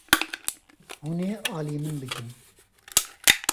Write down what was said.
Hûn ê alî min bikin.